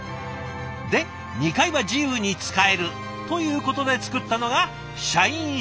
で２階は自由に使えるということで作ったのが社員食堂。